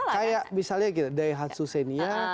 kayak misalnya gitu daihatsu xenia